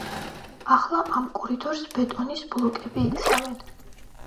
ახლა ამ კორიდორს ბეტონის ბლოკები იცავენ.